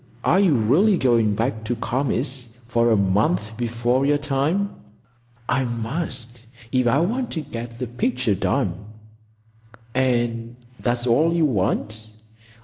"Are you really going back to Kami's for a month before your time?" "I must, if I want to get the picture done." "And that's all you want?"